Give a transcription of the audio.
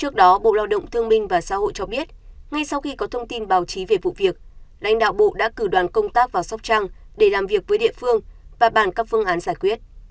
khi có thông tin báo chí về vụ việc đánh đạo bộ đã cử đoàn công tác vào sóc trăng để làm việc với địa phương và bàn các phương án giải quyết